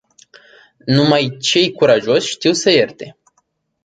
Numai cei curajoși știu să ierte.